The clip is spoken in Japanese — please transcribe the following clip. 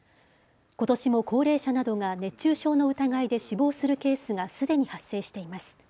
ことしも高齢者などが熱中症の疑いで死亡するケースがすでに発生しています。